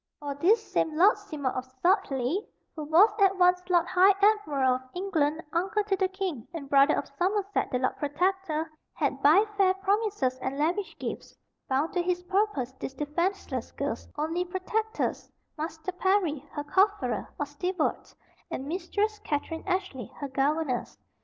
For this same Lord Seymour of Sudleye, who was at once Lord High Admiral of England, uncle to the king, and brother of Somerset the Lord Protector, had by fair promises and lavish gifts bound to his purpose this defenceless girl's only protectors, Master Parry, her cofferer, or steward, and Mistress Katherine Ashley, her governess.